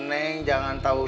dingin gak enak atau apa